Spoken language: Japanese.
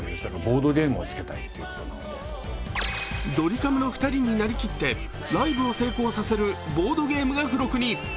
ドリカムの２人になりきってライブを成功させるボードゲームが付録に。